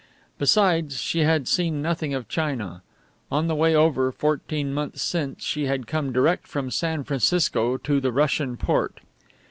Besides, she had seen nothing of China. On the way over, fourteen months since, she had come direct from San Francisco to the Russian port.